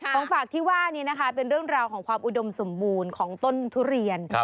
ของฝากที่ว่านี้นะคะเป็นเรื่องราวของความอุดมสมบูรณ์ของต้นทุเรียน